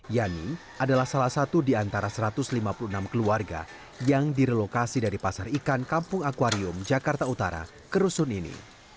yani adalah salah satu di antara satu ratus lima puluh enam keluarga yang direlokasi dari pasar ikan kampung akwarium jakarta utara ke rusun ini